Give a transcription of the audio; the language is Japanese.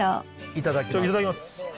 いただきます。